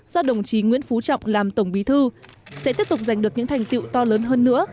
do đồng chí nguyễn phú trọng làm tổng bí thư sẽ tiếp tục giành được những thành tiệu to lớn hơn nữa